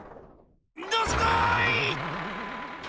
どすこい！